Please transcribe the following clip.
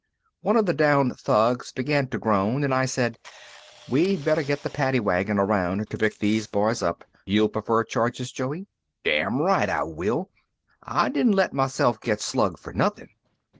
One of the downed thugs began to groan, and I said, "We'd better get the paddy wagon around to pick these boys up. You'll prefer charges, Joey?" "Damn right I will! I didn't let myself get slugged for nothing!"